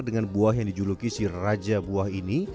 dengan buah yang dijuluki si raja buah ini